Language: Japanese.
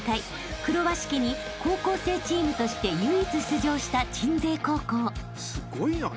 黒鷲旗に高校生チームとして唯一出場した鎮西高校］